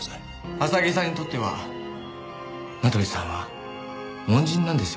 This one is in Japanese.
浅木さんにとっては名取さんは恩人なんですよ。